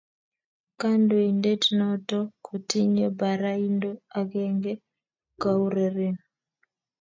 kandoindet noton kotinye baraindo ageng koureren .